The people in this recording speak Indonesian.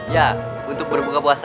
ya untuk berbuka puasa